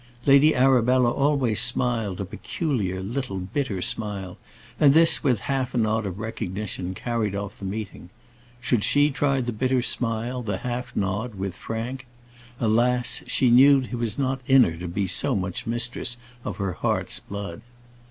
Lady Arabella always smiled a peculiar, little, bitter smile, and this, with half a nod of recognition, carried off the meeting. Should she try the bitter smile, the half nod with Frank? Alas! she knew it was not in her to be so much mistress of her own heart's blood.